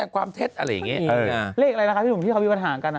เป็นการนำเรื่องพิชาต่อสังคมอีกนึงนะเป็นการนำเรื่องพิชาต่อสังคมอีกนึงนะ